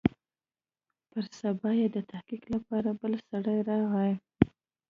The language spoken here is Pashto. پر سبا يې د تحقيق لپاره بل سړى راغى.